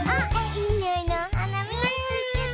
いいにおいのおはなみつけた！